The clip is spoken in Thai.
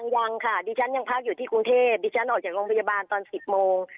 ยังค่ะดิฉันยังพักอยู่ที่กรุงเทพดิฉันออกจากโรงพยาบาลตอน๑๐โมง